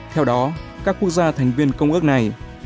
theo đó các quốc gia thành viên công ước này